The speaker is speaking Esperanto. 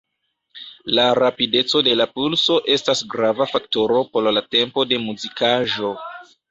La rapideco de la pulso estas grava faktoro por la tempo de muzikaĵo.